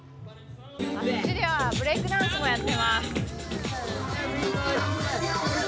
あっちではブレイクダンスもやってます。